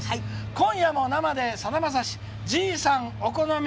「今夜も生でさだまさしＧ３お好み」。